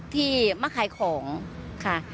ที่มาขายของค่ะ